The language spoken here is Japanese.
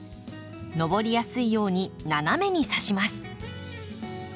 上りやすいように斜めにさします。